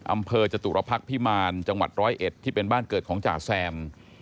อำเภอจตุรพักษ์พิมารจังหวัด๑๐๑ที่เป็นบ้านเกิดของจ่าแซม